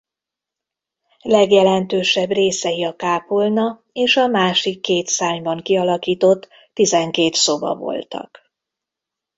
Legjelentősebb részei a kápolna és a másik két szárnyban kialakított tizenkét szoba voltak.